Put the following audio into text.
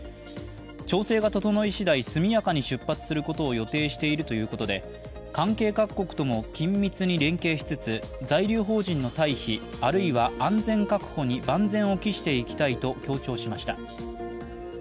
調整が整いしだい、速やかに出発することを予定しているということで関係各国とも緊密に連携しつつ、在留邦人の退避あるいは安全確保に万全を期していきたいと強調しました。